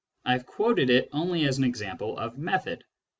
I have quoted it only as an example of method.